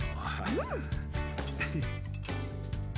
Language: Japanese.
うん。